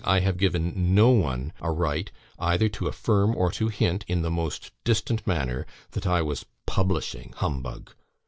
I have given NO ONE a right either to affirm, or to hint, in the most distant manner, that I was 'publishing' (humbug!)